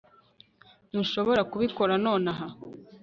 Ntushobora kubikora nonaha